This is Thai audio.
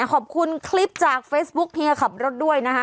ขอบคุณคลิปจากเฟซบุ๊คเฮียขับรถด้วยนะคะ